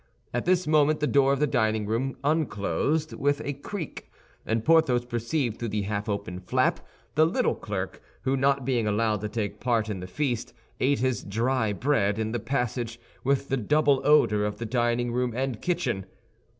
At this moment the door of the dining room unclosed with a creak, and Porthos perceived through the half open flap the little clerk who, not being allowed to take part in the feast, ate his dry bread in the passage with the double odor of the dining room and kitchen.